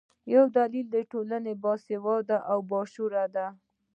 یو دلیل یې ټولنه باسواده او باشعوره ده.